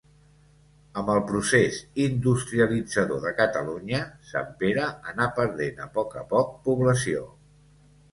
Amb el procés industrialitzador de Catalunya, Sant Pere anà perdent a poc a poc població.